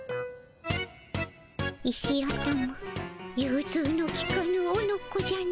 石頭ゆうずうのきかぬおのこじゃの。